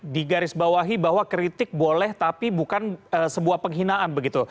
digarisbawahi bahwa kritik boleh tapi bukan sebuah penghinaan begitu